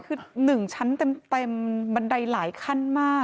คือ๑ชั้นเต็มบันไดหลายขั้นมาก